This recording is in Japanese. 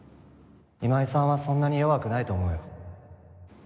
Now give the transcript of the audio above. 今井さんはそんなに弱くないと思うよ。